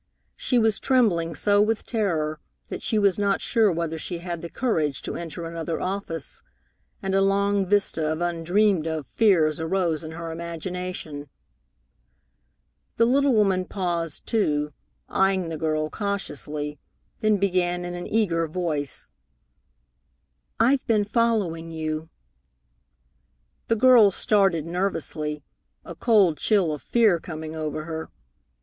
She was trembling so with terror that she was not sure whether she had the courage to enter another office, and a long vista of undreamed of fears arose in her imagination. The little woman paused, too, eying the girl cautiously, then began in an eager voice: "I've been following you." The girl started nervously, a cold chill of fear coming over her.